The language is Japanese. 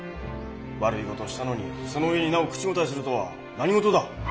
悪いことをしたのにそのうえになお口答えするとは何事だ！